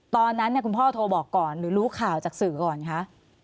ตอนนั้นคุณพ่อโทรบอกก่อนหรือรู้ข่าวจากสื่อก่อนคะ